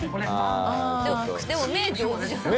でも目上手じゃない？